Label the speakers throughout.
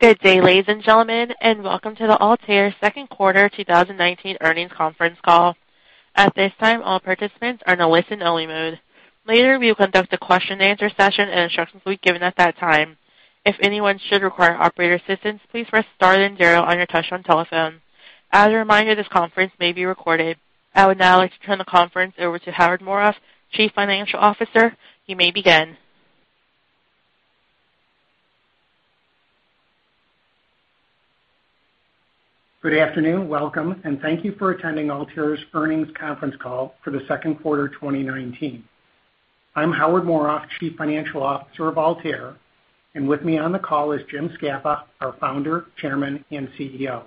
Speaker 1: Good day, ladies and gentlemen, and welcome to the Altair second quarter 2019 earnings conference call. At this time, all participants are in a listen-only mode. Later, we will conduct a question and answer session, and instructions will be given at that time. If anyone should require operator assistance, please press star then zero on your touch-tone telephone. As a reminder, this conference may be recorded. I would now like to turn the conference over to Howard Morof, Chief Financial Officer. You may begin.
Speaker 2: Good afternoon, welcome, and thank you for attending Altair's earnings conference call for the second quarter of 2019. I'm Howard Morof, chief financial officer of Altair, and with me on the call is James Scapa, our founder, chairman, and CEO.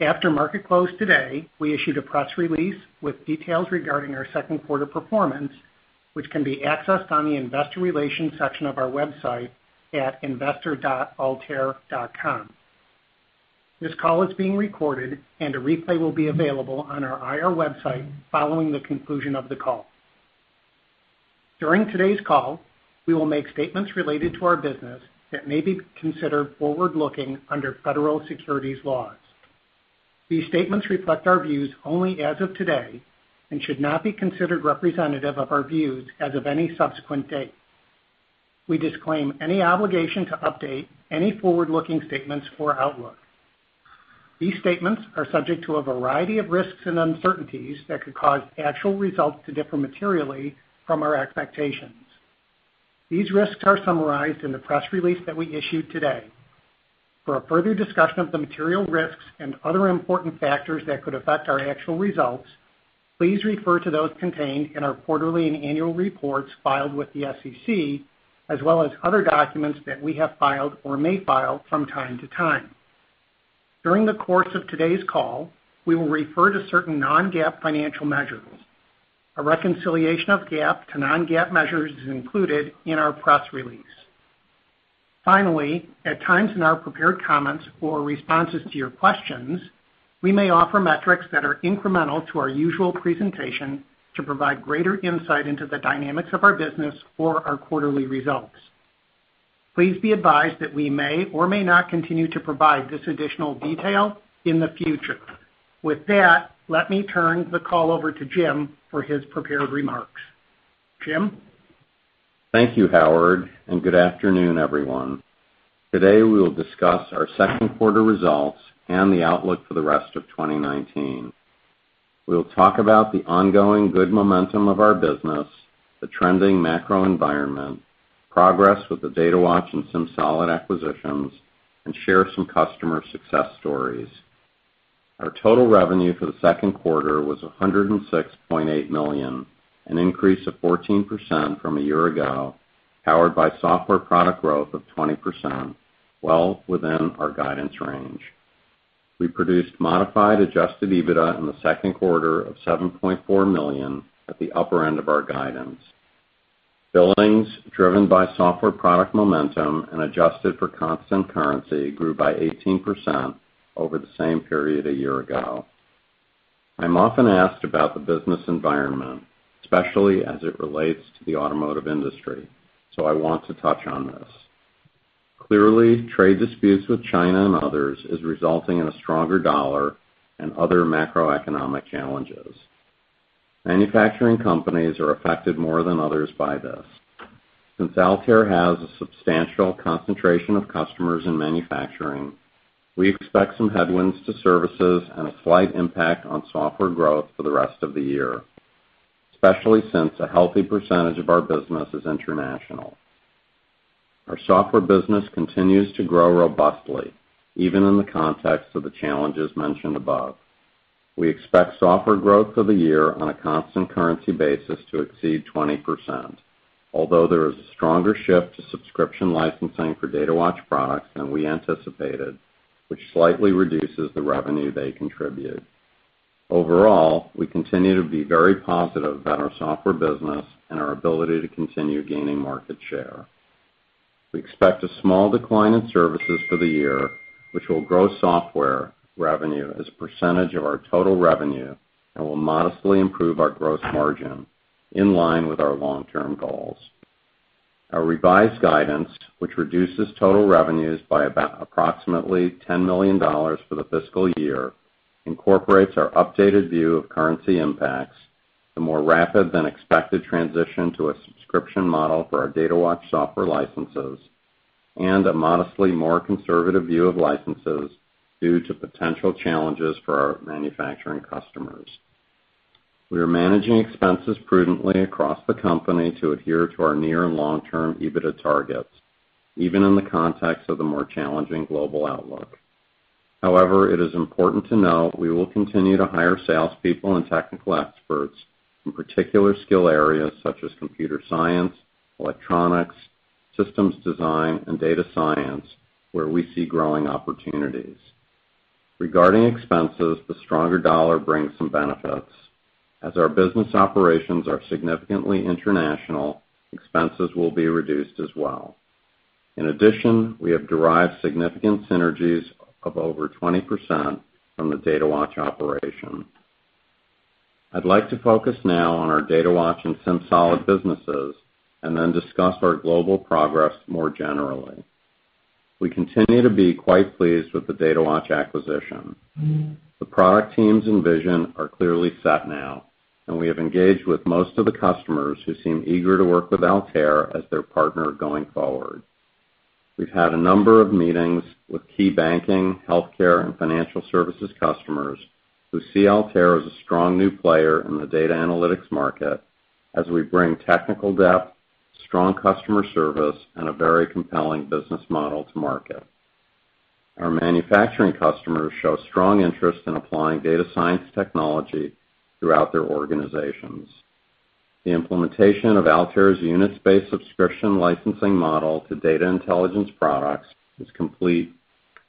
Speaker 2: After market close today, we issued a press release with details regarding our second quarter performance, which can be accessed on the investor relations section of our website at investor.altair.com. This call is being recorded, a replay will be available on our IR website following the conclusion of the call. During today's call, we will make statements related to our business that may be considered forward-looking under federal securities laws. These statements reflect our views only as of today and should not be considered representative of our views as of any subsequent date. We disclaim any obligation to update any forward-looking statements or outlook. These statements are subject to a variety of risks and uncertainties that could cause actual results to differ materially from our expectations. These risks are summarized in the press release that we issued today. For a further discussion of the material risks and other important factors that could affect our actual results, please refer to those contained in our quarterly and annual reports filed with the SEC, as well as other documents that we have filed or may file from time to time. During the course of today's call, we will refer to certain non-GAAP financial measures. A reconciliation of GAAP to non-GAAP measures is included in our press release. At times in our prepared comments or responses to your questions, we may offer metrics that are incremental to our usual presentation to provide greater insight into the dynamics of our business or our quarterly results. Please be advised that we may or may not continue to provide this additional detail in the future. With that, let me turn the call over to Jim for his prepared remarks. Jim?
Speaker 3: Thank you, Howard, and good afternoon, everyone. Today, we will discuss our second quarter results and the outlook for the rest of 2019. We'll talk about the ongoing good momentum of our business, the trending macro environment, progress with the Datawatch, and some solid acquisitions, and share some customer success stories. Our total revenue for the second quarter was $106.8 million, an increase of 14% from a year ago, powered by software product growth of 20%, well within our guidance range. We produced modified adjusted EBITDA in the second quarter of $7.4 million at the upper end of our guidance. Billings, driven by software product momentum and adjusted for constant currency, grew by 18% over the same period a year ago. I'm often asked about the business environment, especially as it relates to the automotive industry, so I want to touch on this. Clearly, trade disputes with China and others is resulting in a stronger dollar and other macroeconomic challenges. Manufacturing companies are affected more than others by this. Since Altair has a substantial concentration of customers in manufacturing, we expect some headwinds to services and a slight impact on software growth for the rest of the year, especially since a healthy percentage of our business is international. Our software business continues to grow robustly, even in the context of the challenges mentioned above. We expect software growth for the year on a constant currency basis to exceed 20%, although there is a stronger shift to subscription licensing for Datawatch products than we anticipated, which slightly reduces the revenue they contribute. Overall, we continue to be very positive about our software business and our ability to continue gaining market share. We expect a small decline in services for the year, which will grow software revenue as a percentage of our total revenue and will modestly improve our gross margin in line with our long-term goals. Our revised guidance, which reduces total revenues by about approximately $10 million for the fiscal year, incorporates our updated view of currency impacts, the more rapid than expected transition to a subscription model for our Datawatch software licenses, and a modestly more conservative view of licenses due to potential challenges for our manufacturing customers. We are managing expenses prudently across the company to adhere to our near and long-term EBITDA targets, even in the context of the more challenging global outlook. However, it is important to note we will continue to hire salespeople and technical experts in particular skill areas such as computer science, electronics, systems design, and data science, where we see growing opportunities. Regarding expenses, the stronger dollar brings some benefits. As our business operations are significantly international, expenses will be reduced as well. In addition, we have derived significant synergies of over 20% from the Datawatch operation. I'd like to focus now on our Datawatch and SimSolid businesses, and then discuss our global progress more generally. We continue to be quite pleased with the Datawatch acquisition. The product teams and vision are clearly set now, and we have engaged with most of the customers who seem eager to work with Altair as their partner going forward. We've had a number of meetings with key banking, healthcare, and financial services customers who see Altair as a strong new player in the data analytics market as we bring technical depth, strong customer service, and a very compelling business model to market. Our manufacturing customers show strong interest in applying data science technology throughout their organizations. The implementation of Altair's unit-based subscription licensing model to data intelligence products is complete,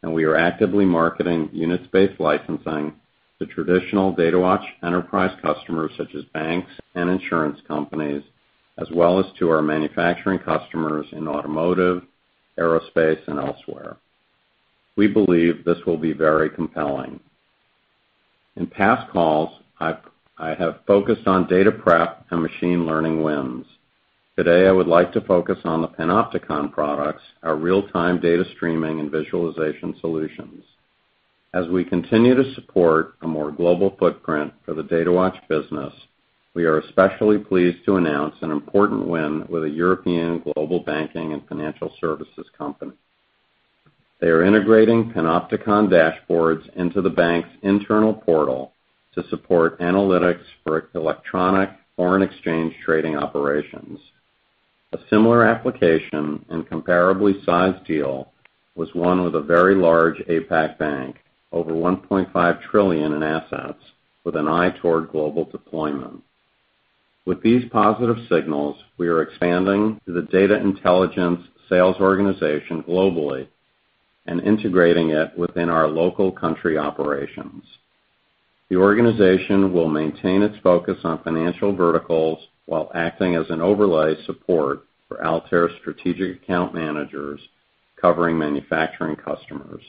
Speaker 3: and we are actively marketing unit-based licensing to traditional Datawatch enterprise customers such as banks and insurance companies, as well as to our manufacturing customers in automotive, aerospace, and elsewhere. We believe this will be very compelling. In past calls, I have focused on data prep and machine learning wins. Today, I would like to focus on the Panopticon products, our real-time data streaming and visualization solutions. As we continue to support a more global footprint for the Datawatch business, we are especially pleased to announce an important win with a European global banking and financial services company. They are integrating Panopticon dashboards into the bank's internal portal to support analytics for electronic foreign exchange trading operations. A similar application and comparably sized deal was won with a very large APAC bank, over $1.5 trillion in assets, with an eye toward global deployment. With these positive signals, we are expanding the data intelligence sales organization globally and integrating it within our local country operations. The organization will maintain its focus on financial verticals while acting as an overlay support for Altair strategic account managers covering manufacturing customers.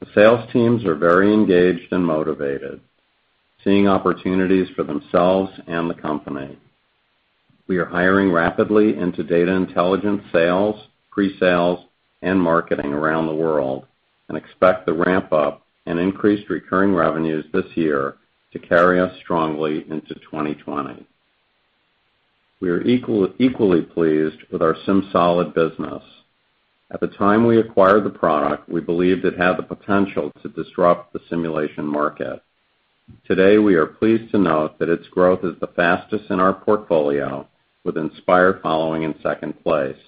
Speaker 3: The sales teams are very engaged and motivated, seeing opportunities for themselves and the company. We are hiring rapidly into data intelligence, sales, pre-sales, and marketing around the world, and expect the ramp-up and increased recurring revenues this year to carry us strongly into 2020. We are equally pleased with our SimSolid business. At the time we acquired the product, we believed it had the potential to disrupt the simulation market. Today, we are pleased to note that its growth is the fastest in our portfolio, with Inspire following in second place,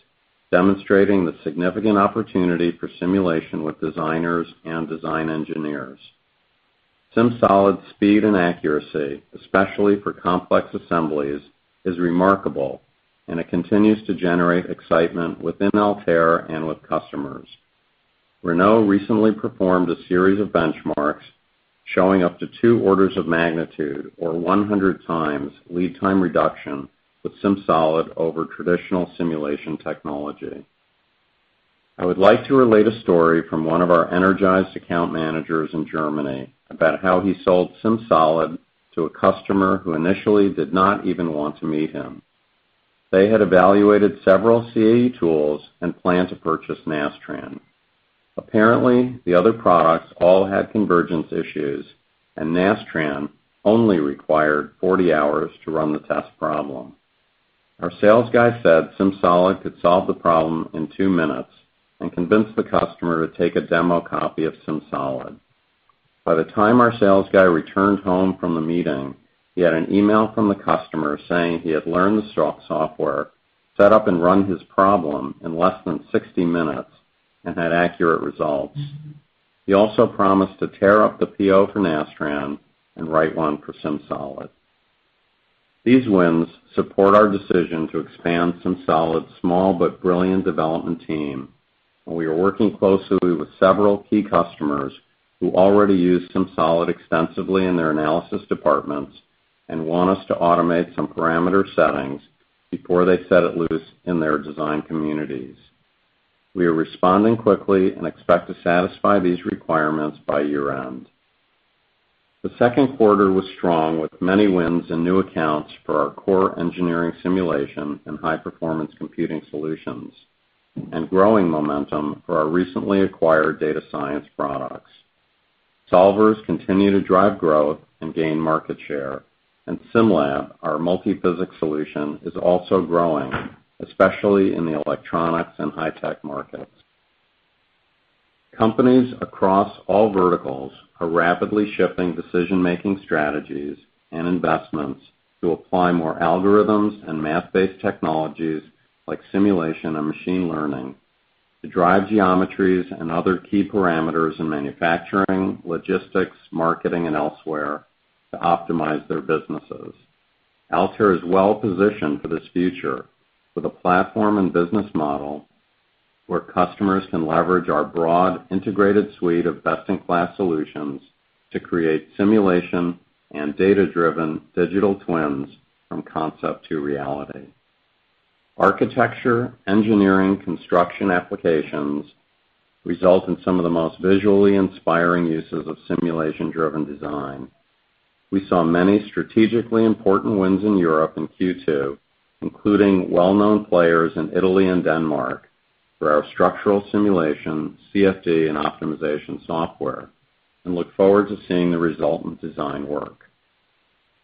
Speaker 3: demonstrating the significant opportunity for simulation with designers and design engineers. SimSolid's speed and accuracy, especially for complex assemblies, is remarkable, and it continues to generate excitement within Altair and with customers. Renault recently performed a series of benchmarks showing up to two orders of magnitude or 100 times lead time reduction with SimSolid over traditional simulation technology. I would like to relate a story from one of our energized account managers in Germany about how he sold SimSolid to a customer who initially did not even want to meet him. They had evaluated several CAE tools and planned to purchase Nastran. Apparently, the other products all had convergence issues, and Nastran only required 40 hours to run the test problem. Our sales guy said SimSolid could solve the problem in two minutes and convinced the customer to take a demo copy of SimSolid. By the time our sales guy returned home from the meeting, he had an email from the customer saying he had learned the software, set up and run his problem in less than 60 minutes and had accurate results. He also promised to tear up the PO for Nastran and write one for SimSolid. These wins support our decision to expand SimSolid's small but brilliant development team, and we are working closely with several key customers who already use SimSolid extensively in their analysis departments and want us to automate some parameter settings before they set it loose in their design communities. We are responding quickly and expect to satisfy these requirements by year-end. The second quarter was strong, with many wins and new accounts for our core engineering simulation and high-performance computing solutions, and growing momentum for our recently acquired data science products. Solvers continue to drive growth and gain market share, and SimLab, our multi-physics solution, is also growing, especially in the electronics and high-tech markets. Companies across all verticals are rapidly shifting decision-making strategies and investments to apply more algorithms and math-based technologies like simulation and machine learning to drive geometries and other key parameters in manufacturing, logistics, marketing, and elsewhere to optimize their businesses. Altair is well-positioned for this future with a platform and business model where customers can leverage our broad integrated suite of best-in-class solutions to create simulation and data-driven digital twins from concept to reality. Architecture, engineering, construction applications result in some of the most visually inspiring uses of simulation-driven design. We saw many strategically important wins in Europe in Q2, including well-known players in Italy and Denmark for our structural simulation, CFD, and optimization software, and look forward to seeing the resultant design work.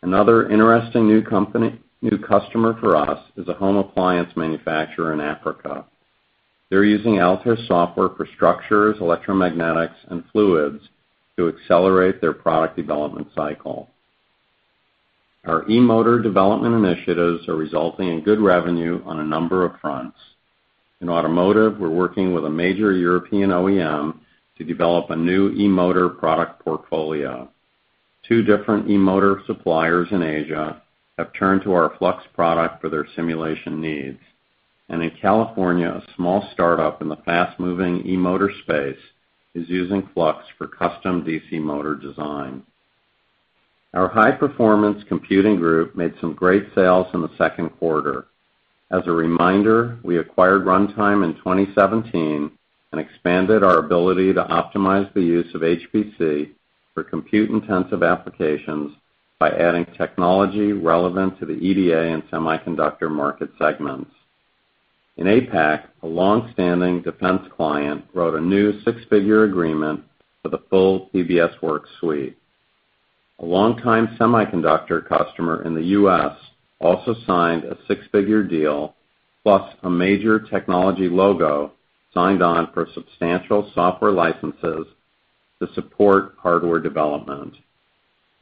Speaker 3: Another interesting new customer for us is a home appliance manufacturer in Africa. They're using Altair software for structures, electromagnetics, and fluids to accelerate their product development cycle. Our e-motor development initiatives are resulting in good revenue on a number of fronts. In automotive, we're working with a major European OEM to develop a new e-motor product portfolio. Two different e-motor suppliers in Asia have turned to our Flux product for their simulation needs. In California, a small startup in the fast-moving e-motor space is using Flux for custom DC motor design. Our high-performance computing group made some great sales in the second quarter. As a reminder, we acquired Runtime in 2017 and expanded our ability to optimize the use of HPC for compute-intensive applications by adding technology relevant to the EDA and semiconductor market segments. In APAC, a long-standing defense client wrote a new six-figure agreement for the full PBS Works suite. A longtime semiconductor customer in the U.S. also signed a six-figure deal, plus a major technology logo signed on for substantial software licenses to support hardware development.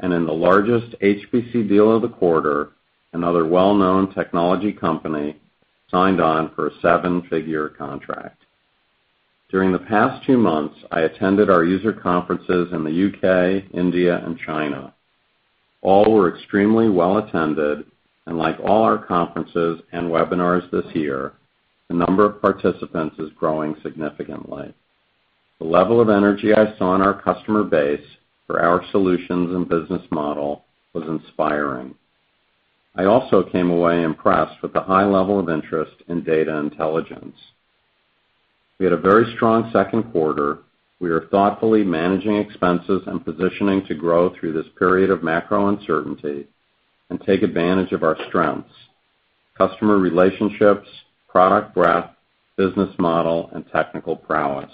Speaker 3: In the largest HPC deal of the quarter, another well-known technology company signed on for a seven-figure contract. During the past two months, I attended our user conferences in the U.K., India, and China. All were extremely well-attended, like all our conferences and webinars this year, the number of participants is growing significantly. The level of energy I saw in our customer base for our solutions and business model was inspiring. I also came away impressed with the high level of interest in data intelligence. We had a very strong second quarter. We are thoughtfully managing expenses and positioning to grow through this period of macro uncertainty and take advantage of our strengths: customer relationships, product breadth, business model, and technical prowess.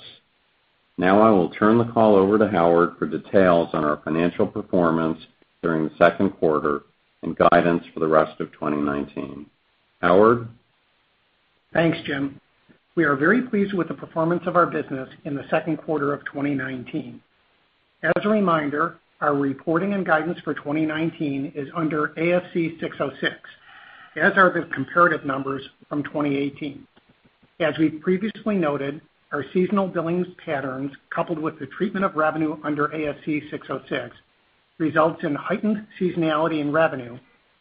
Speaker 3: I will turn the call over to Howard for details on our financial performance during the second quarter and guidance for the rest of 2019. Howard?
Speaker 2: Thanks, Jim. We are very pleased with the performance of our business in the second quarter of 2019. As a reminder, our reporting and guidance for 2019 is under ASC 606, as are the comparative numbers from 2018. As we've previously noted, our seasonal billings patterns, coupled with the treatment of revenue under ASC 606, results in heightened seasonality in revenue,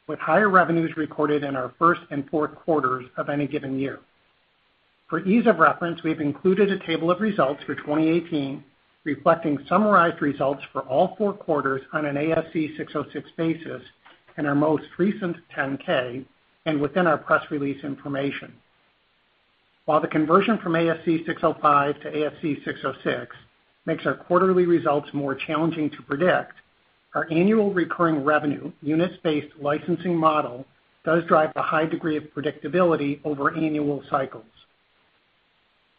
Speaker 2: with higher revenues recorded in our first and fourth quarters of any given year. For ease of reference, we've included a table of results for 2018 reflecting summarized results for all four quarters on an ASC 606 basis in our most recent 10-K and within our press release information. While the conversion from ASC 605 to ASC 606 makes our quarterly results more challenging to predict, our annual recurring revenue units-based licensing model does drive a high degree of predictability over annual cycles.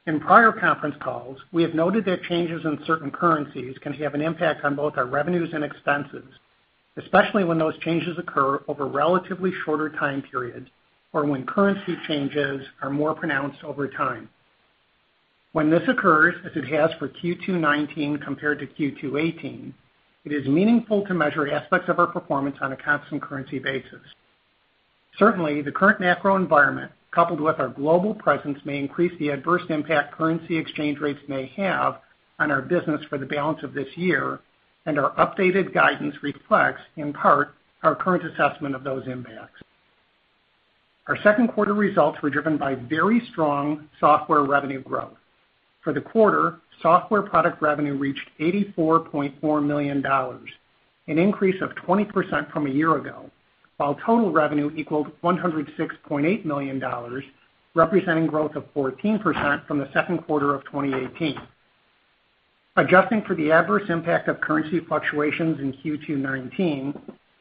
Speaker 2: In prior conference calls, we have noted that changes in certain currencies can have an impact on both our revenues and expenses, especially when those changes occur over relatively shorter time periods or when currency changes are more pronounced over time. When this occurs, as it has for Q2 2019 compared to Q2 2018, it is meaningful to measure aspects of our performance on a constant currency basis. The current macro environment, coupled with our global presence, may increase the adverse impact currency exchange rates may have on our business for the balance of this year, and our updated guidance reflects, in part, our current assessment of those impacts. Our second quarter results were driven by very strong software revenue growth. For the quarter, software product revenue reached $84.4 million, an increase of 20% from a year ago, while total revenue equaled $106.8 million, representing growth of 14% from the second quarter of 2018. Adjusting for the adverse impact of currency fluctuations in Q2 2019,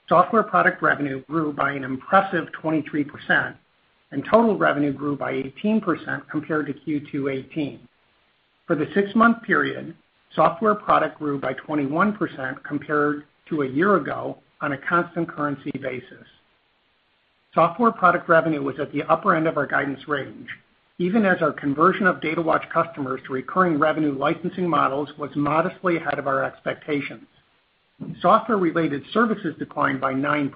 Speaker 2: software product revenue grew by an impressive 23%, and total revenue grew by 18% compared to Q2 2018. For the six-month period, software product grew by 21% compared to a year ago on a constant currency basis. Software product revenue was at the upper end of our guidance range, even as our conversion of Datawatch customers to recurring revenue licensing models was modestly ahead of our expectations. Software-related services declined by 9%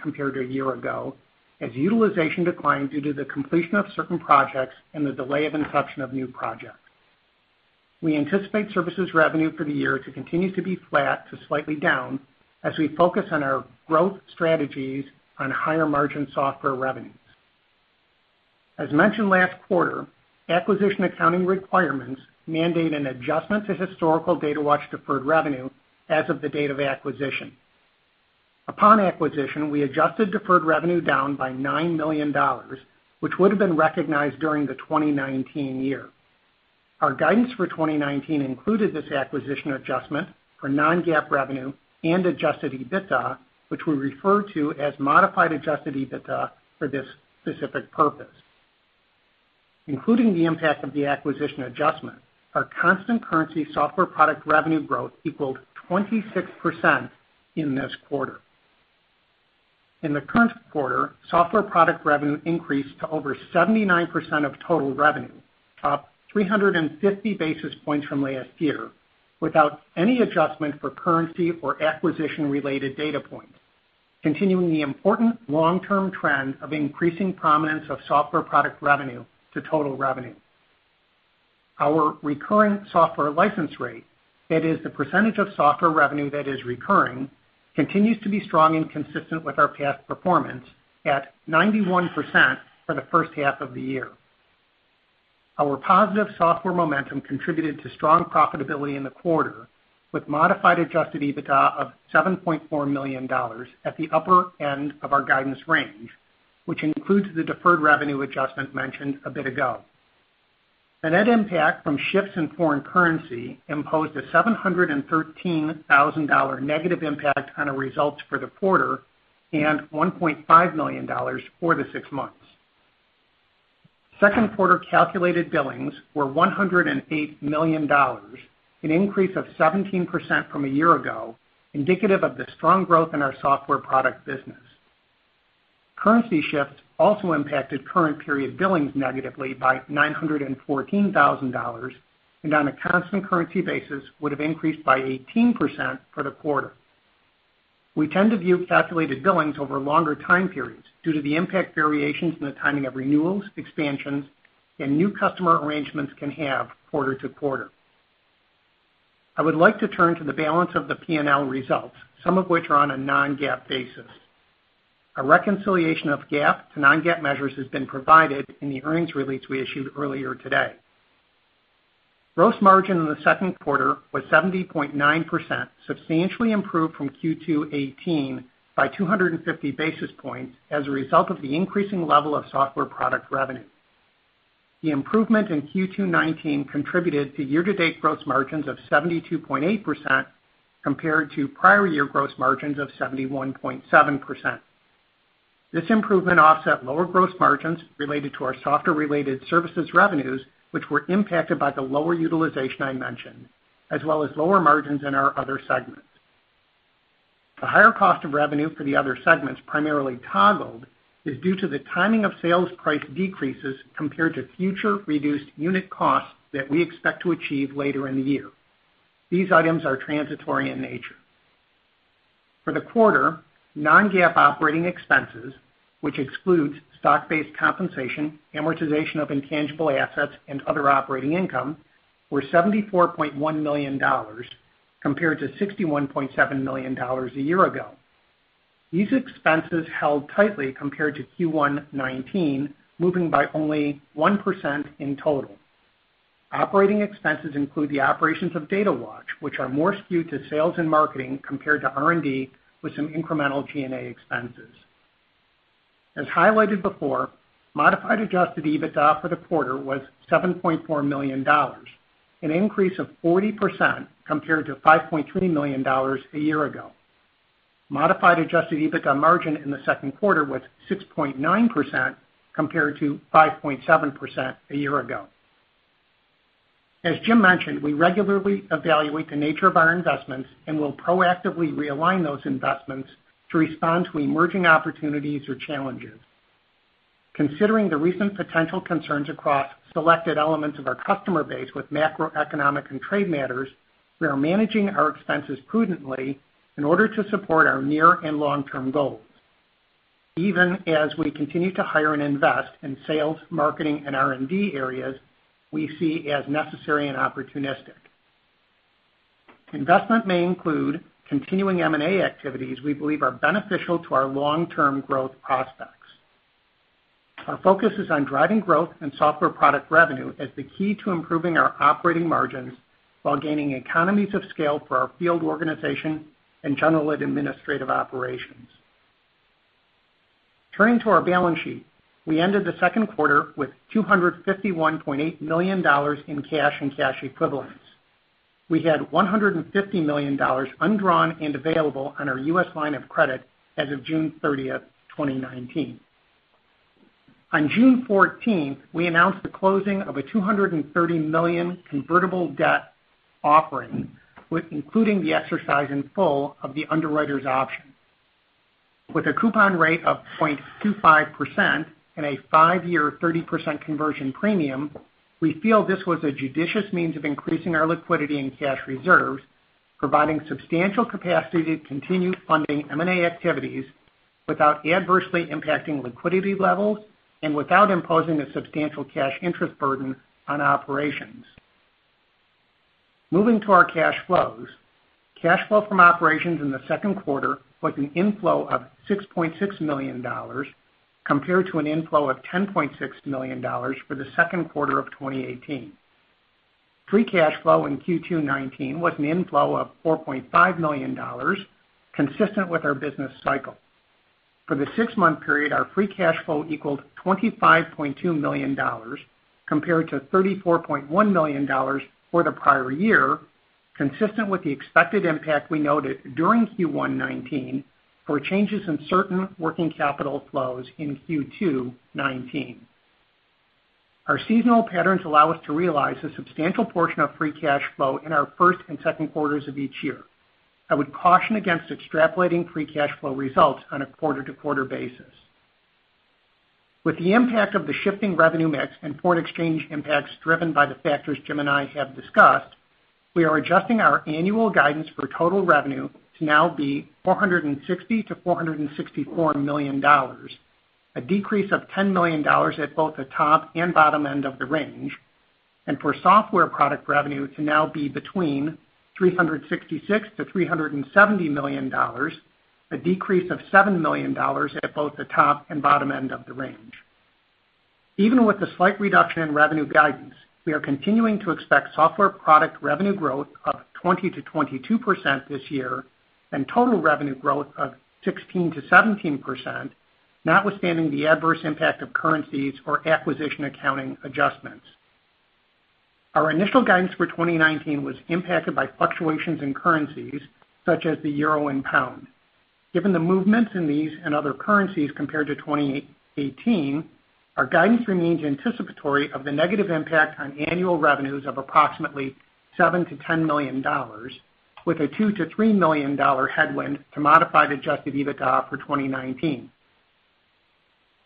Speaker 2: compared to a year ago as utilization declined due to the completion of certain projects and the delay of inception of new projects. We anticipate services revenue for the year to continue to be flat to slightly down as we focus on our growth strategies on higher-margin software revenues. As mentioned last quarter, acquisition accounting requirements mandate an adjustment to historical Datawatch deferred revenue as of the date of acquisition. Upon acquisition, we adjusted deferred revenue down by $9 million, which would have been recognized during the 2019 year. Our guidance for 2019 included this acquisition adjustment for non-GAAP revenue and adjusted EBITDA, which we refer to as modified adjusted EBITDA for this specific purpose. Including the impact of the acquisition adjustment, our constant currency software product revenue growth equaled 26% in this quarter. In the current quarter, software product revenue increased to over 79% of total revenue, up 350 basis points from last year without any adjustment for currency or acquisition-related data points, continuing the important long-term trend of increasing prominence of software product revenue to total revenue. Our recurring software license rate, that is the percentage of software revenue that is recurring, continues to be strong and consistent with our past performance at 91% for the first half of the year. Our positive software momentum contributed to strong profitability in the quarter with modified adjusted EBITDA of $7.4 million at the upper end of our guidance range, which includes the deferred revenue adjustment mentioned a bit ago. The net impact from shifts in foreign currency imposed a $713,000 negative impact on our results for the quarter and $1.5 million for the six months. Second quarter calculated billings were $108 million, an increase of 17% from a year ago, indicative of the strong growth in our software product business. Currency shifts also impacted current period billings negatively by $914,000, and on a constant currency basis would have increased by 18% for the quarter. We tend to view calculated billings over longer time periods due to the impact variations in the timing of renewals, expansions, and new customer arrangements can have quarter to quarter. I would like to turn to the balance of the P&L results, some of which are on a non-GAAP basis. A reconciliation of GAAP to non-GAAP measures has been provided in the earnings release we issued earlier today. Gross margin in the second quarter was 70.9%, substantially improved from Q2 2018 by 250 basis points as a result of the increasing level of software product revenue. The improvement in Q2 2019 contributed to year-to-date gross margins of 72.8% compared to prior year gross margins of 71.7%. This improvement offset lower gross margins related to our software-related services revenues, which were impacted by the lower utilization I mentioned, as well as lower margins in our other segments. The higher cost of revenue for the other segments primarily is due to the timing of sales price decreases compared to future reduced unit costs that we expect to achieve later in the year. These items are transitory in nature. For the quarter, non-GAAP operating expenses, which excludes stock-based compensation, amortization of intangible assets and other operating income, were $74.1 million compared to $61.7 million a year ago. These expenses held tightly compared to Q1 2019, moving by only 1% in total. Operating expenses include the operations of Datawatch, which are more skewed to sales and marketing compared to R&D with some incremental G&A expenses. As highlighted before, modified adjusted EBITDA for the quarter was $7.4 million, an increase of 40% compared to $5.3 million a year ago. Modified adjusted EBITDA margin in the second quarter was 6.9% compared to 5.7% a year ago. As Jim mentioned, we regularly evaluate the nature of our investments and will proactively realign those investments to respond to emerging opportunities or challenges. Considering the recent potential concerns across selected elements of our customer base with macroeconomic and trade matters, we are managing our expenses prudently in order to support our near and long-term goals. Even as we continue to hire and invest in sales, marketing, and R&D areas we see as necessary and opportunistic. Investment may include continuing M&A activities we believe are beneficial to our long-term growth prospects. Our focus is on driving growth in software product revenue as the key to improving our operating margins while gaining economies of scale for our field organization and general and administrative operations. Turning to our balance sheet, we ended the second quarter with $251.8 million in cash and cash equivalents. We had $150 million undrawn and available on our U.S. line of credit as of June 30th, 2019. On June 14th, we announced the closing of a $230 million convertible debt offering, including the exercise in full of the underwriter's option. With a coupon rate of 0.25% and a five-year 30% conversion premium, we feel this was a judicious means of increasing our liquidity and cash reserves, providing substantial capacity to continue funding M&A activities without adversely impacting liquidity levels and without imposing a substantial cash interest burden on operations. Moving to our cash flows. Cash flow from operations in the second quarter was an inflow of $6.6 million compared to an inflow of $10.6 million for the second quarter of 2018. Free cash flow in Q2 '19 was an inflow of $4.5 million, consistent with our business cycle. For the six-month period, our free cash flow equaled $25.2 million compared to $34.1 million for the prior year, consistent with the expected impact we noted during Q1 '19 for changes in certain working capital flows in Q2 '19. Our seasonal patterns allow us to realize a substantial portion of free cash flow in our first and second quarters of each year. I would caution against extrapolating free cash flow results on a quarter-to-quarter basis. With the impact of the shifting revenue mix and foreign exchange impacts driven by the factors Jim and I have discussed, we are adjusting our annual guidance for total revenue to now be $460 million-$464 million, a decrease of $10 million at both the top and bottom end of the range, and for software product revenue to now be between $366 million-$370 million, a decrease of $7 million at both the top and bottom end of the range. Even with the slight reduction in revenue guidance, we are continuing to expect software product revenue growth of 20%-22% this year and total revenue growth of 16%-17%, notwithstanding the adverse impact of currencies or acquisition accounting adjustments. Our initial guidance for 2019 was impacted by fluctuations in currencies such as the euro and pound. Given the movements in these and other currencies compared to 2018, our guidance remains anticipatory of the negative impact on annual revenues of approximately $7 million-$10 million, with a $2 million-$3 million headwind to modified adjusted EBITDA for 2019.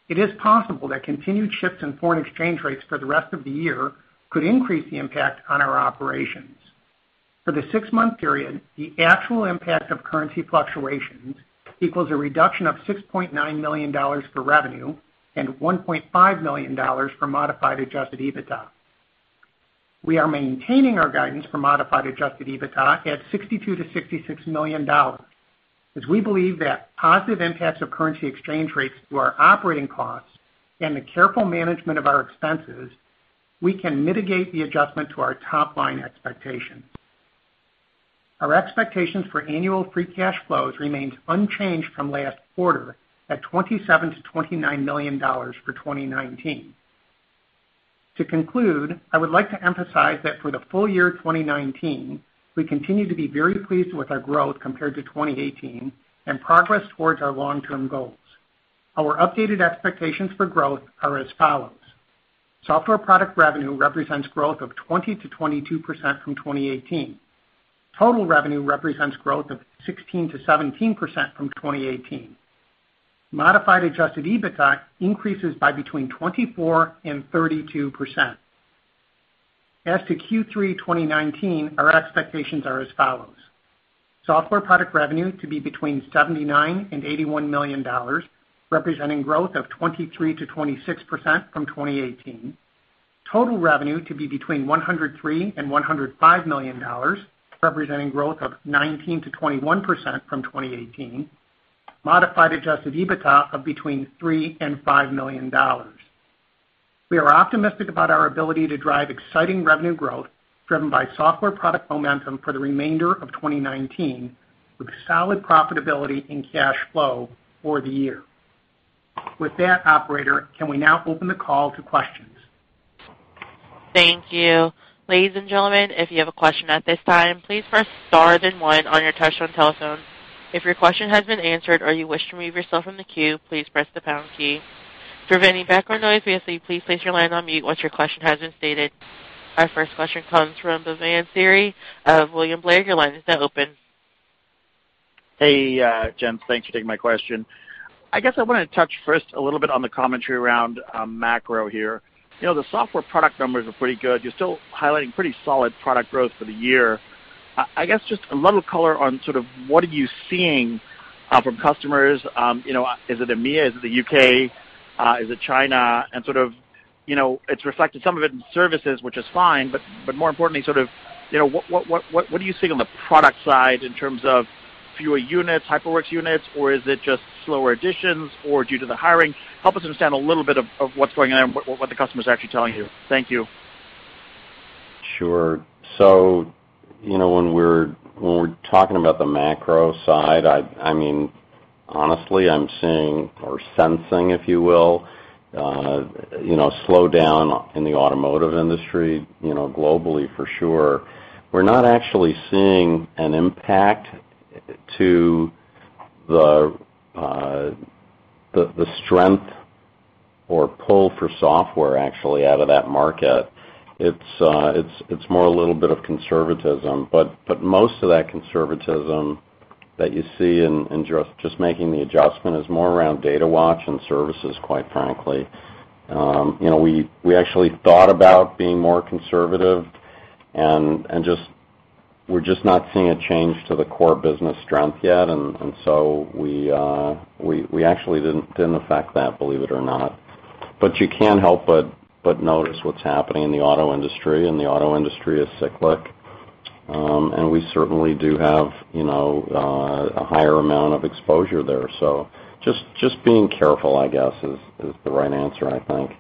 Speaker 2: It is possible that continued shifts in foreign exchange rates for the rest of the year could increase the impact on our operations. For the six-month period, the actual impact of currency fluctuations equals a reduction of $6.9 million for revenue and $1.5 million for modified adjusted EBITDA. We are maintaining our guidance for modified adjusted EBITDA at $62 million to $66 million, as we believe that positive impacts of currency exchange rates through our operating costs and the careful management of our expenses, we can mitigate the adjustment to our top-line expectations. Our expectations for annual free cash flows remains unchanged from last quarter at $27 million to $29 million for 2019. To conclude, I would like to emphasize that for the full year 2019, we continue to be very pleased with our growth compared to 2018 and progress towards our long-term goals. Our updated expectations for growth are as follows. Software product revenue represents growth of 20%-22% from 2018. Total revenue represents growth of 16%-17% from 2018. Modified adjusted EBITDA increases by between 24% and 32%. As to Q3 2019, our expectations are as follows. Software product revenue to be between $79 million and $81 million, representing growth of 23%-26% from 2018. Total revenue to be between $103 million and $105 million, representing growth of 19%-21% from 2018. Modified adjusted EBITDA of between $3 million and $5 million. We are optimistic about our ability to drive exciting revenue growth driven by software product momentum for the remainder of 2019 with solid profitability and cash flow for the year. With that, operator, can we now open the call to questions?
Speaker 1: Thank you. Ladies and gentlemen, if you have a question at this time, please press star then one on your touchtone telephone. If your question has been answered or you wish to remove yourself from the queue, please press the pound key. To prevent any background noise, we ask that you please place your line on mute once your question has been stated. Our first question comes from Bhavan Suri of William Blair. Your line is now open.
Speaker 4: Hey, Jim. Thanks for taking my question. I guess I want to touch first a little bit on the commentary around macro here. The software product numbers are pretty good. You're still highlighting pretty solid product growth for the year. I guess just a little color on sort of what are you seeing from customers. Is it EMEA? Is it the U.K.? Is it China? Sort of, it's reflected some of it in services, which is fine, but more importantly, sort of what are you seeing on the product side in terms of fewer units, HyperWorks units, or is it just slower additions or due to the hiring? Help us understand a little bit of what's going on and what the customer's actually telling you. Thank you.
Speaker 3: Sure. When we're talking about the macro side, I mean, honestly, I'm seeing or sensing, if you will, a slowdown in the automotive industry globally, for sure. We're not actually seeing an impact to the strength or pull for software, actually, out of that market. It's more a little bit of conservatism. Most of that conservatism that you see in just making the adjustment is more around Datawatch and services, quite frankly. We actually thought about being more conservative, and we're just not seeing a change to the core business strength yet. We actually didn't affect that, believe it or not. You can't help but notice what's happening in the auto industry, and the auto industry is cyclic. We certainly do have a higher amount of exposure there. Just being careful, I guess, is the right answer, I think.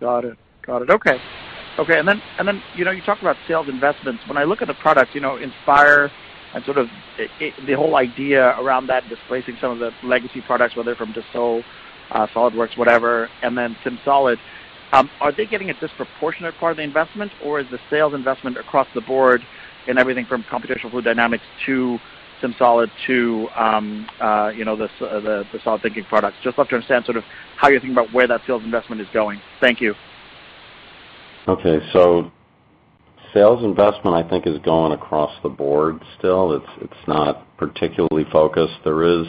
Speaker 4: Got it. Okay. You talk about sales investments. When I look at the products, Inspire and sort of the whole idea around that, displacing some of the legacy products, whether from Dassault, SolidWorks, whatever, and then SimSolid, are they getting a disproportionate part of the investment, or is the sales investment across the board in everything from computational fluid dynamics to SimSolid to the solidThinking products? Just love to understand how you're thinking about where that sales investment is going. Thank you.
Speaker 3: Okay. Sales investment, I think, is going across the board still. It's not particularly focused. There is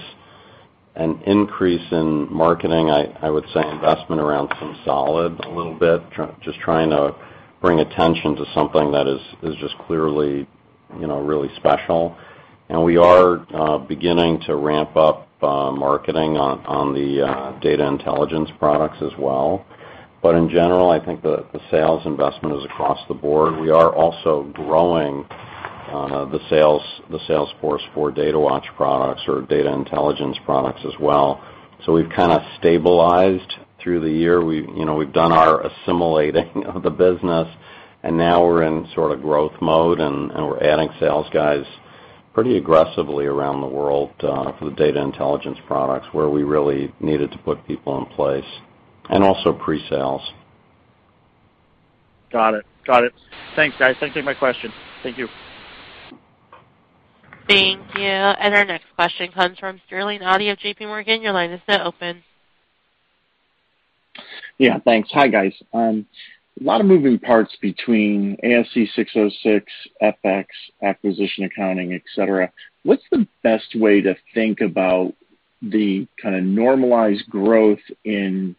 Speaker 3: an increase in marketing, I would say, investment around SimSolid a little bit, just trying to bring attention to something that is just clearly really special. We are beginning to ramp up marketing on the data intelligence products as well. In general, I think the sales investment is across the board. We are also growing the sales force for Datawatch products or data intelligence products as well. We've kind of stabilized through the year. We've done our assimilating of the business, and now we're in sort of growth mode, and we're adding sales guys pretty aggressively around the world for the data intelligence products, where we really needed to put people in place, and also pre-sales.
Speaker 4: Got it. Thanks, guys. Thanks for taking my question. Thank you.
Speaker 1: Thank you. Our next question comes from Sterling Auty of JPMorgan. Your line is now open.
Speaker 5: Yeah, thanks. Hi, guys. A lot of moving parts between ASC 606, FX, acquisition accounting, et cetera. What's the best way to think about the kind of normalized growth in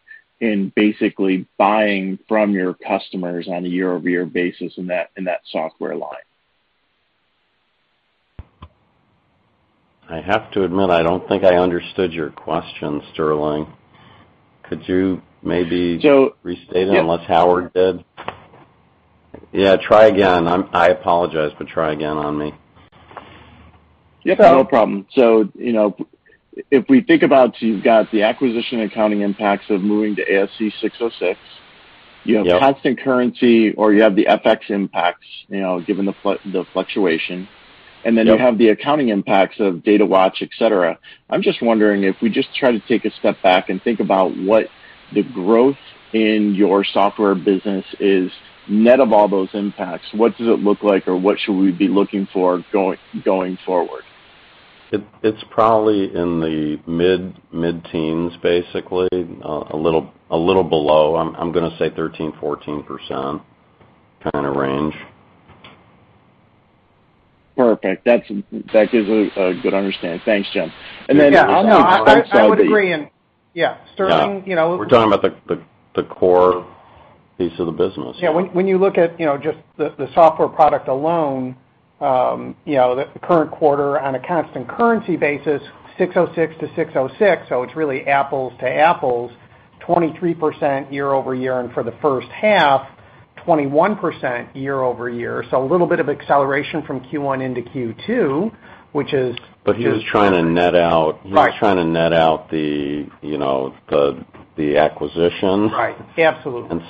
Speaker 5: basically buying from your customers on a year-over-year basis in that software line?
Speaker 3: I have to admit, I don't think I understood your question, Sterling. Could you maybe?
Speaker 5: So-
Speaker 3: restate it, unless Howard did? Yeah, try again. I apologize, but try again on me.
Speaker 5: Yeah, no problem. If we think about, so you've got the acquisition accounting impacts of moving to ASC 606.
Speaker 3: Yep.
Speaker 5: You have constant currency, or you have the FX impacts, given the fluctuation.
Speaker 3: Yep.
Speaker 5: You have the accounting impacts of Datawatch, et cetera. I'm just wondering if we just try to take a step back and think about what the growth in your software business is, net of all those impacts, what does it look like, or what should we be looking for going forward?
Speaker 3: It's probably in the mid-teens, basically, a little below. I'm going to say 13%, 14% kind of range.
Speaker 5: Perfect. That gives a good understanding. Thanks, Jim. On the expense side.
Speaker 2: Yeah. No, I would agree. Yeah, Sterling.
Speaker 3: Yeah. We're talking about the core piece of the business.
Speaker 2: Yeah. When you look at just the software product alone, the current quarter on a constant currency basis, ASC 606 to ASC 606, so it's really apples to apples, 23% year-over-year, and for the first half, 21% year-over-year. A little bit of acceleration from Q1 into Q2, which is.
Speaker 3: He was trying to net out.
Speaker 2: Right
Speaker 3: he was trying to net out the acquisition.
Speaker 2: Right. Absolutely.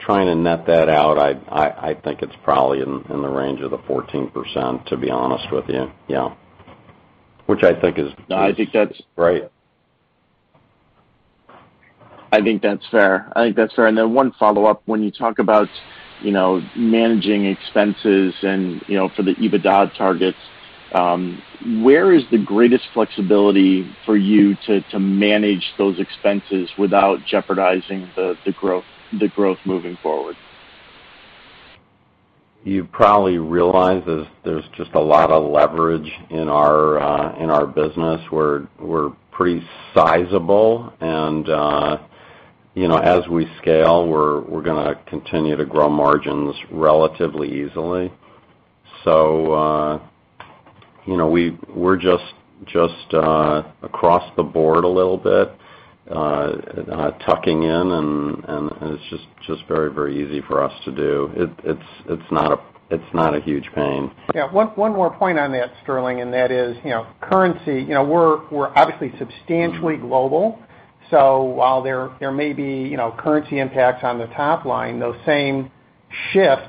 Speaker 3: Trying to net that out, I think it's probably in the range of the 14%, to be honest with you. Yeah. Which I think is.
Speaker 5: No, I think.
Speaker 3: great.
Speaker 5: I think that's fair. Then one follow-up. When you talk about managing expenses and for the EBITDA targets, where is the greatest flexibility for you to manage those expenses without jeopardizing the growth moving forward?
Speaker 3: You probably realize there's just a lot of leverage in our business. We're pretty sizable and, as we scale, we're gonna continue to grow margins relatively easily. We're just across the board a little bit, tucking in, and it's just very easy for us to do. It's not a huge pain.
Speaker 2: Yeah. One more point on that, Sterling. That is currency. We're obviously substantially global, so while there may be currency impacts on the top line, those same shifts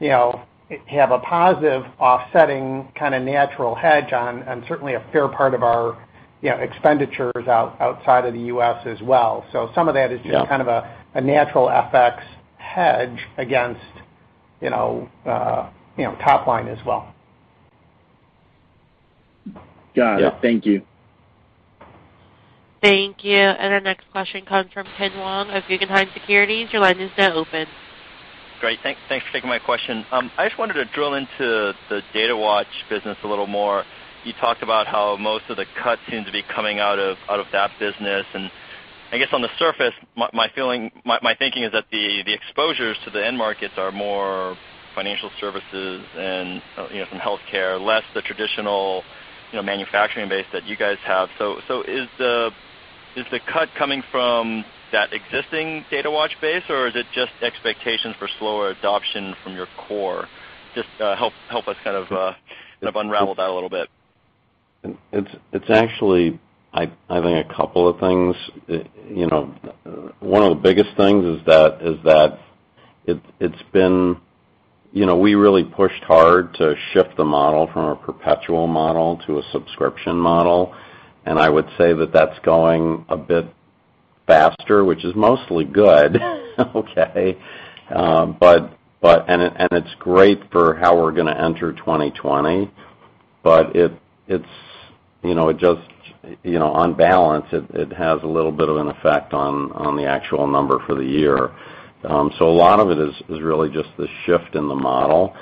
Speaker 2: have a positive offsetting kind of natural hedge on certainly a fair part of our expenditures out outside of the U.S. as well.
Speaker 5: Yeah
Speaker 2: kind of a natural FX hedge against top line as well.
Speaker 5: Got it.
Speaker 3: Yeah.
Speaker 5: Thank you.
Speaker 1: Thank you. Our next question comes from Kenneth Wong of Guggenheim Securities. Your line is now open.
Speaker 6: Great. Thanks for taking my question. I just wanted to drill into the Datawatch business a little more. You talked about how most of the cuts seem to be coming out of that business. I guess on the surface, my thinking is that the exposures to the end markets are more financial services and some healthcare, less the traditional manufacturing base that you guys have. Is the cut coming from that existing Datawatch base, or is it just expectations for slower adoption from your core? Just help us unravel that a little bit.
Speaker 3: It's actually, I think, a couple of things. One of the biggest things is that we really pushed hard to shift the model from a perpetual model to a subscription model, and I would say that that's going a bit faster, which is mostly good. Okay. It's great for how we're going to enter 2020, but on balance, it has a little bit of an effect on the actual number for the year. A lot of it is really just the shift in the model.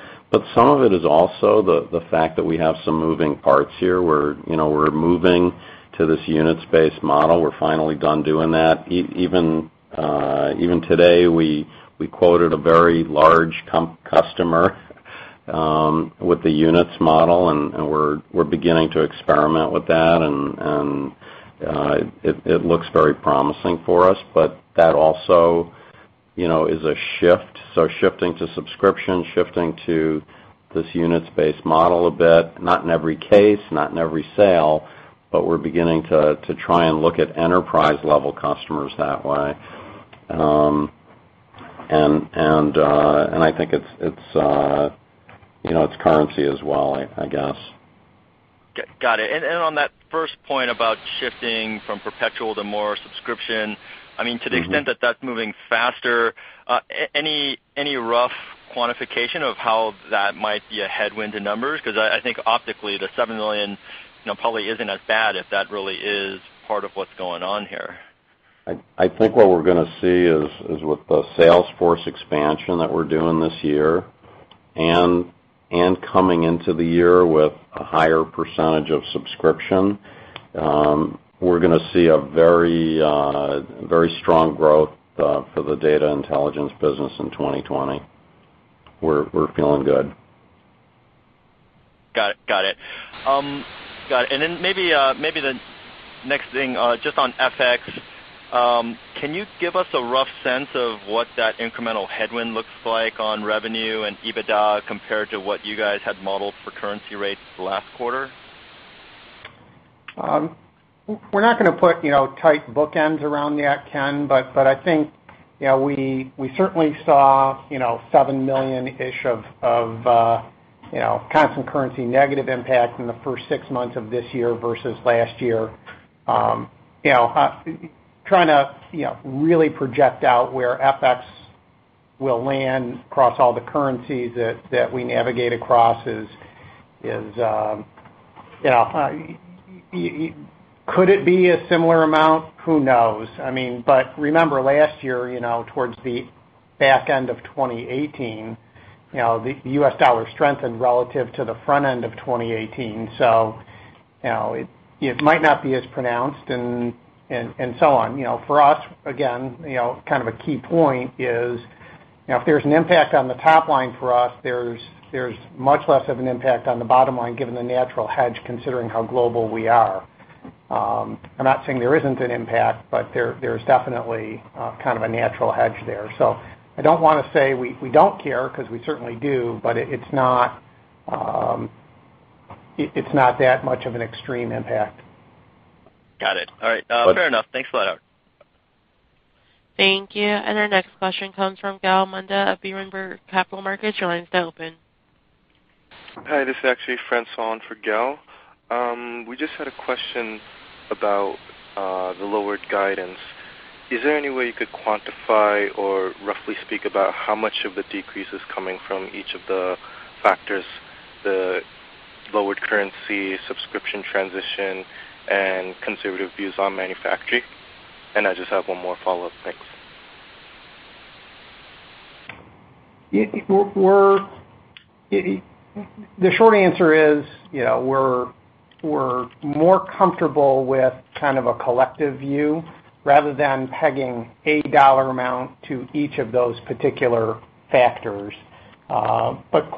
Speaker 3: Some of it is also the fact that we have some moving parts here. We're moving to this units-based model. We're finally done doing that. Even today, we quoted a very large customer with the units model, and we're beginning to experiment with that, and it looks very promising for us. That also is a shift. Shifting to subscription, shifting to this units-based model a bit, not in every case, not in every sale, but we're beginning to try and look at enterprise-level customers that way. I think it's currency as well, I guess.
Speaker 6: Got it. On that first point about shifting from perpetual to more subscription, to the extent that that's moving faster, any rough quantification of how that might be a headwind to numbers? Because I think optically, the $7 million probably isn't as bad if that really is part of what's going on here.
Speaker 3: I think what we're going to see is with the sales force expansion that we're doing this year and coming into the year with a higher % of subscription, we're going to see a very strong growth for the data intelligence business in 2020. We're feeling good.
Speaker 6: Got it. Maybe the next thing, just on FX, can you give us a rough sense of what that incremental headwind looks like on revenue and EBITDA compared to what you guys had modeled for currency rates last quarter?
Speaker 2: We're not going to put tight bookends around that, Ken, but I think we certainly saw $7 million-ish of constant currency negative impact in the first six months of this year versus last year. Trying to really project out where FX will land across all the currencies that we navigate across. Could it be a similar amount? Who knows? Remember, last year, towards the back end of 2018, the U.S. dollar strengthened relative to the front end of 2018. It might not be as pronounced and so on. For us, again, kind of a key point is if there's an impact on the top line for us, there's much less of an impact on the bottom line given the natural hedge, considering how global we are. I'm not saying there isn't an impact, but there's definitely kind of a natural hedge there. I don't want to say we don't care because we certainly do, but it's not that much of an extreme impact.
Speaker 6: Got it. All right. Fair enough. Thanks a lot.
Speaker 1: Thank you. Our next question comes from Gal Munda of Berenberg Capital Markets. Your line is now open.
Speaker 7: Hi, this is actually Francois for Gal. We just had a question about the lowered guidance. Is there any way you could quantify or roughly speak about how much of the decrease is coming from each of the factors, the lower currency, subscription transition, and conservative views on manufacturing? I just have one more follow-up. Thanks.
Speaker 2: The short answer is we're more comfortable with kind of a collective view rather than pegging a dollar amount to each of those particular factors.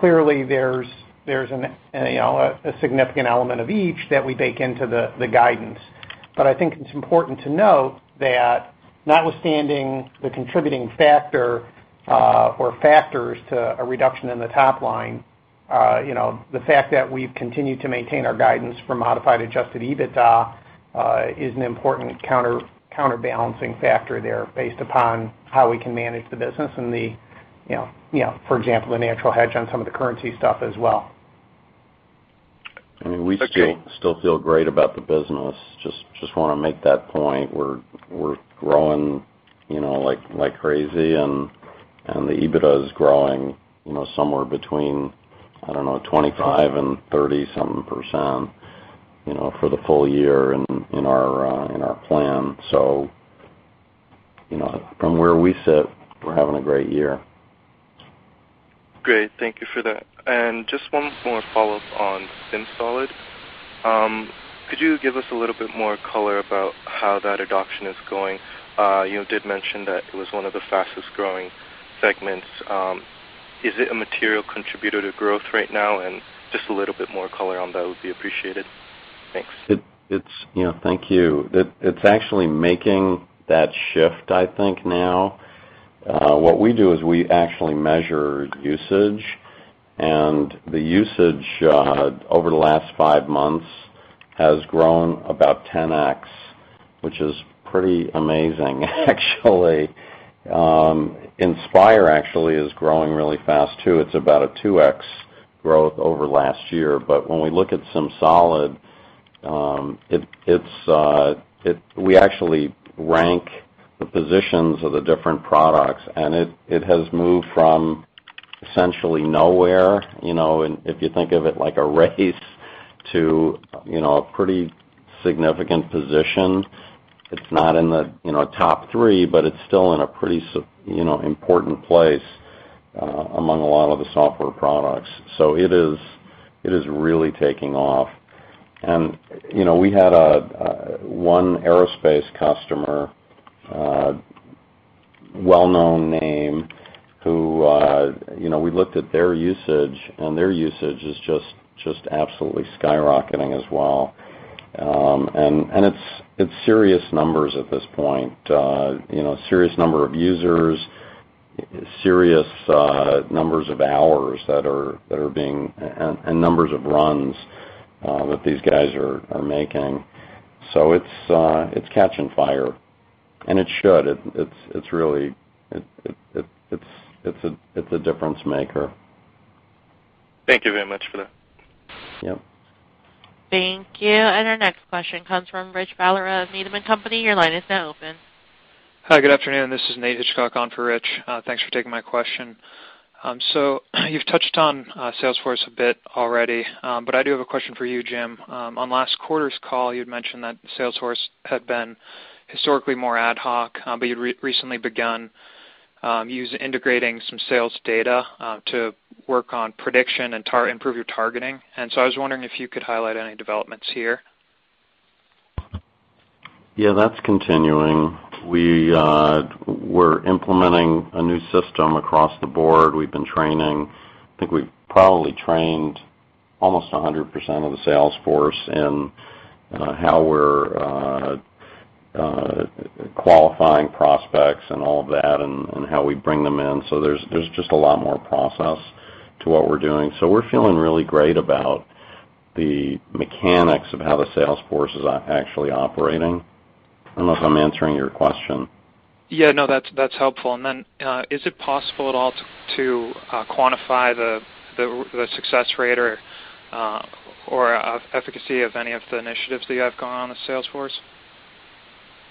Speaker 2: Clearly, there's a significant element of each that we bake into the guidance. I think it's important to note that notwithstanding the contributing factor or factors to a reduction in the top line, the fact that we've continued to maintain our guidance for modified adjusted EBITDA is an important counterbalancing factor there based upon how we can manage the business and, for example, the natural hedge on some of the currency stuff as well.
Speaker 3: We still feel great about the business. Just want to make that point. We're growing like crazy, and the EBITDA is growing somewhere between, I don't know, 25 and 30 something % for the full year in our plan. From where we sit, we're having a great year.
Speaker 7: Great. Thank you for that. Just one more follow-up on SimSolid. Could you give us a little bit more color about how that adoption is going? You did mention that it was one of the fastest-growing segments. Is it a material contributor to growth right now? Just a little bit more color on that would be appreciated. Thanks.
Speaker 3: Thank you. It's actually making that shift, I think, now. What we do is we actually measure usage. The usage, over the last five months, has grown about 10X, which is pretty amazing, actually. Inspire actually is growing really fast too. It's about a 2X growth over last year. When we look at SimSolid, we actually rank the positions of the different products, and it has moved from essentially nowhere, if you think of it like a race, to a pretty significant position. It's not in the top three, but it's still in a pretty important place among a lot of the software products. It is really taking off. We had one aerospace customer, a well-known name. We looked at their usage, and their usage is just absolutely skyrocketing as well. It's serious numbers at this point, serious number of users, serious numbers of hours and numbers of runs that these guys are making. It's catching fire. It should. It's a difference-maker.
Speaker 7: Thank you very much for that.
Speaker 3: Yep.
Speaker 1: Thank you. Our next question comes from Rich Valera of Needham & Company. Your line is now open.
Speaker 8: Hi, good afternoon. This is Nate Hitchcock on for Rich. Thanks for taking my question. You've touched on Salesforce a bit already. I do have a question for you, Jim. On last quarter's call, you'd mentioned that Salesforce had been historically more ad hoc, but you'd recently begun integrating some sales data to work on prediction and improve your targeting. I was wondering if you could highlight any developments here.
Speaker 3: Yeah, that's continuing. We're implementing a new system across the board. We've been training. I think we've probably trained almost 100% of the salesforce in how we're qualifying prospects and all of that, and how we bring them in. There's just a lot more process to what we're doing. We're feeling really great about the mechanics of how the salesforce is actually operating. I don't know if I'm answering your question.
Speaker 8: Yeah, no, that's helpful. Is it possible at all to quantify the success rate or efficacy of any of the initiatives that you have going on with Salesforce?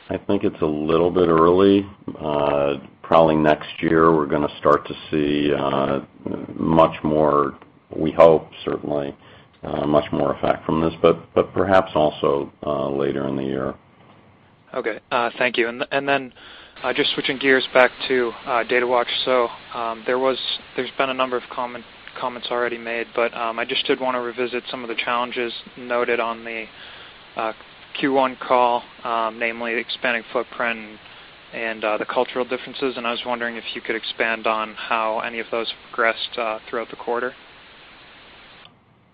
Speaker 3: I think it's a little bit early. Probably next year, we're going to start to see, we hope, certainly, much more effect from this, but perhaps also later in the year.
Speaker 8: Okay. Thank you. Just switching gears back to Datawatch. There's been a number of comments already made, but, I just did want to revisit some of the challenges noted on the Q1 call, namely expanding footprint and the cultural differences, and I was wondering if you could expand on how any of those progressed throughout the quarter.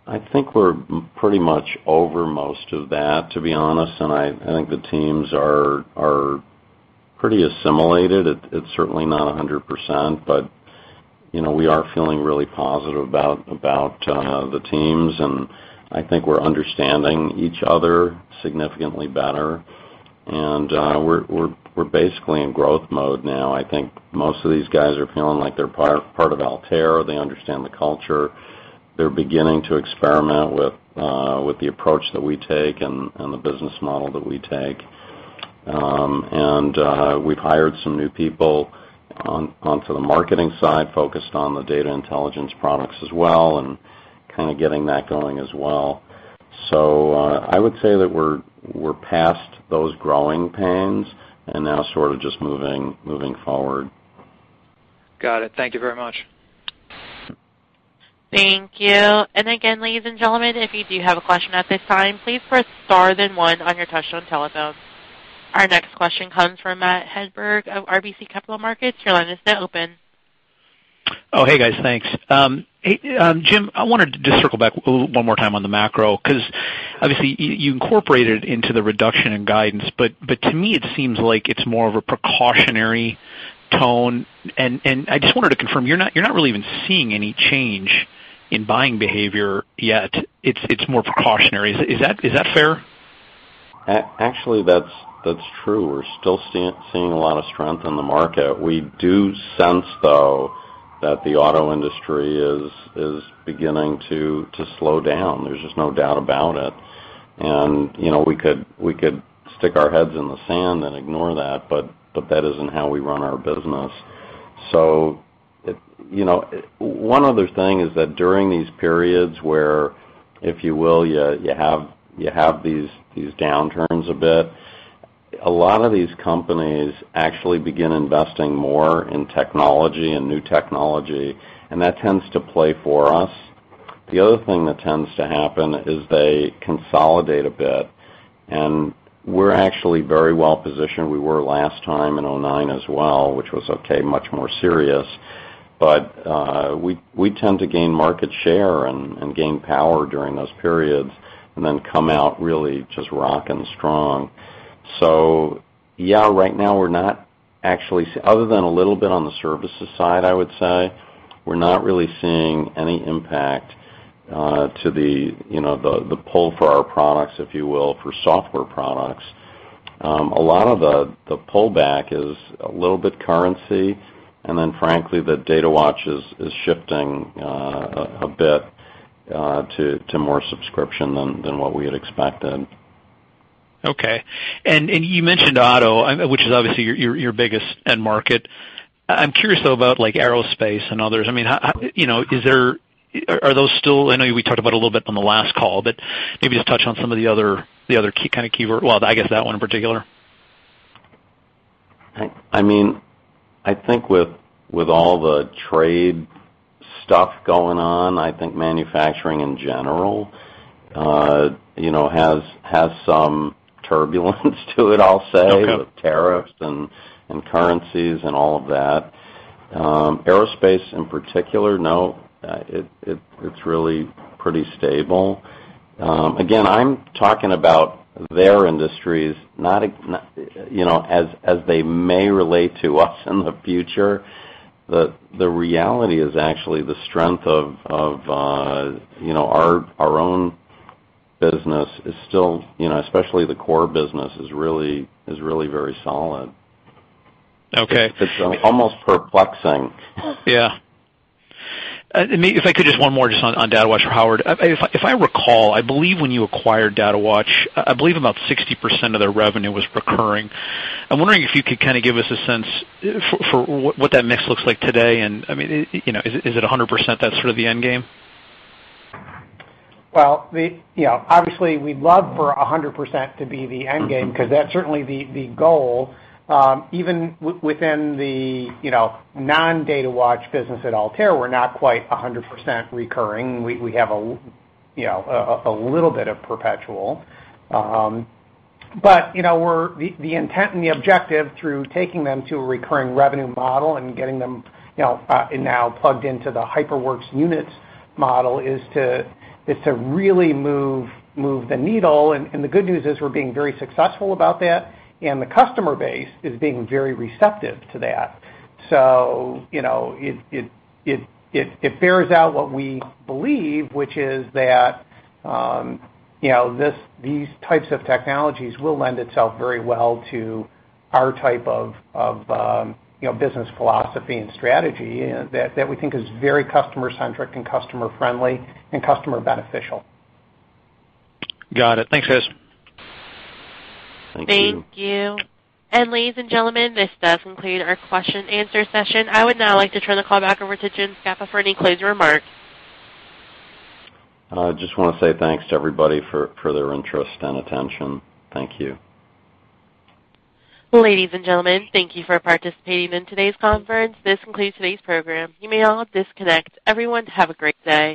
Speaker 3: I think we're pretty much over most of that, to be honest, and I think the teams are pretty assimilated. It's certainly not 100%, but we are feeling really positive about the teams, and I think we're understanding each other significantly better. We're basically in growth mode now. I think most of these guys are feeling like they're part of Altair. They understand the culture. They're beginning to experiment with the approach that we take and the business model that we take. We've hired some new people onto the marketing side, focused on the data intelligence products as well, and kind of getting that going as well. I would say that we're past those growing pains and now sort of just moving forward.
Speaker 8: Got it. Thank you very much.
Speaker 1: Thank you. Again, ladies and gentlemen, if you do have a question at this time, please press star then one on your touchtone telephone. Our next question comes from Matthew Hedberg of RBC Capital Markets. Your line is now open.
Speaker 9: Hey guys. Thanks. Hey, Jim, I wanted to just circle back one more time on the macro because obviously you incorporated into the reduction in guidance. To me, it seems like it's more of a precautionary tone, and I just wanted to confirm, you're not really even seeing any change in buying behavior yet. It's more precautionary. Is that fair?
Speaker 3: Actually, that's true. We're still seeing a lot of strength in the market. We do sense, though, that the auto industry is beginning to slow down. There's just no doubt about it. We could stick our heads in the sand and ignore that, but that isn't how we run our business. One other thing is that during these periods where, if you will, you have these downturns a bit, a lot of these companies actually begin investing more in technology and new technology, and that tends to play for us. The other thing that tends to happen is they consolidate a bit, and we're actually very well positioned. We were last time in 2009 as well, which was okay, much more serious. We tend to gain market share and gain power during those periods and then come out really just rocking strong. Yeah, right now we're not actually, other than a little bit on the services side, I would say, we're not really seeing any impact to the pull for our products, if you will, for software products. A lot of the pullback is a little bit currency, and then frankly, the Datawatch is shifting a bit to more subscription than what we had expected.
Speaker 9: Okay. You mentioned auto, which is obviously your biggest end market. I'm curious, though, about aerospace and others. I know we talked about a little bit on the last call, maybe just touch on some of the other key kind of keyword. Well, I guess that one in particular.
Speaker 3: I think with all the trade stuff going on, I think manufacturing in general has some turbulence to it, I'll say.
Speaker 9: Okay
Speaker 3: with tariffs and currencies and all of that. Aerospace, in particular, it's really pretty stable. Again, I'm talking about their industries, as they may relate to us in the future. The reality is actually the strength of our own business is still, especially the core business, is really very solid.
Speaker 9: Okay.
Speaker 3: It's almost perplexing.
Speaker 9: Yeah. If I could, just one more just on Datawatch for Howard. If I recall, I believe when you acquired Datawatch, I believe about 60% of their revenue was recurring. I'm wondering if you could kind of give us a sense for what that mix looks like today. Is it 100%, that's sort of the end game?
Speaker 2: Well, obviously, we'd love for 100% to be the end game, because that's certainly the goal. Even within the non-Datawatch business at Altair, we're not quite 100% recurring. We have a little bit of perpetual. The intent and the objective through taking them to a recurring revenue model and getting them now plugged into the HyperWorks units model is to really move the needle. The good news is we're being very successful about that, and the customer base is being very receptive to that. It bears out what we believe, which is that these types of technologies will lend itself very well to our type of business philosophy and strategy that we think is very customer-centric and customer-friendly and customer beneficial.
Speaker 9: Got it. Thanks, guys.
Speaker 3: Thank you.
Speaker 1: Thank you. Ladies and gentlemen, this does conclude our question-answer session. I would now like to turn the call back over to James Scapa for any closing remarks.
Speaker 3: I just want to say thanks to everybody for their interest and attention. Thank you.
Speaker 1: Ladies and gentlemen, thank you for participating in today's conference. This concludes today's program. You may all disconnect. Everyone, have a great day.